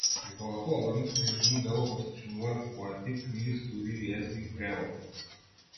Неговото обемно книжевно дело го сочинуваат поетки книги, студии, есеи, преводи.